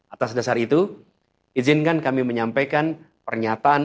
atas dasar itu izinkan kami menyampaikan pernyataan